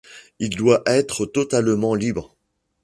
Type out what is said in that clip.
Il doit être totalement libre.